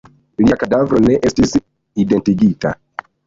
Lia kadavro ne estis identigita.